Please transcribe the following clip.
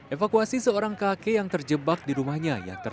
evakuasi seorang kakek yang terjebak di rumahnya